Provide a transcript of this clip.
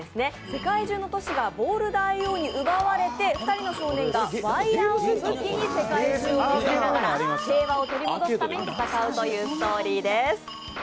世界中の都市がボール大王に奪われて、２人の少年がワイヤーを武器に世界中を巡りながら平和を取り戻すために戦うというストーリーです。